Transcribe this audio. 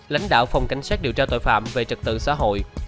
lãnh đạo phòng cảnh sát điều tra tội phạm về trật tự xã hội